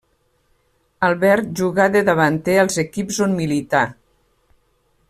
Albert jugà de davanter als equips on milità.